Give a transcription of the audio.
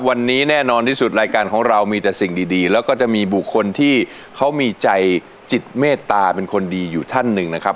วันนี้แน่นอนที่สุดรายการของเรามีแต่สิ่งดีแล้วก็จะมีบุคคลที่เขามีใจจิตเมตตาเป็นคนดีอยู่ท่านหนึ่งนะครับ